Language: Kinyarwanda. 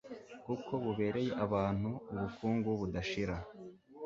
kuko bubereye abantu ubukungu budashira